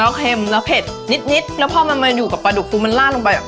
หัวเนี้ยเขมเห็นนิดแล้วพอมันมาอยู่กับปลาดุกฟูมันน่าล่ะลงไปอ่ะ